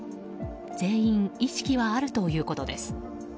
全員意識はあるということです。